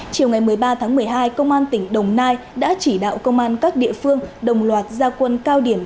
chiều ngày một mươi ba tháng một mươi hai công an tỉnh đồng nai đã chỉ đạo công an các địa phương đồng loạt gia quân cao điểm